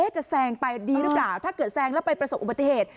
จะแซงไปดีหรือเปล่าถ้าเกิดแซงแล้วไปประสบอุบัติเหตุ